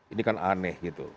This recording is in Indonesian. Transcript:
ini kan aneh gitu